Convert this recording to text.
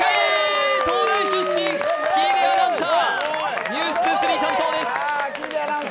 東大出身、喜入アナウンサー「ｎｅｗｓ２３」担当です。